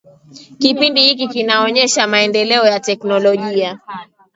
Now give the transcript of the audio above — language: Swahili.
kipindi hiki kinaonyesha maendeleo ya teknolojia